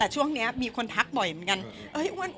ช่วงนี้มีคนทักบ่อยเหมือนกัน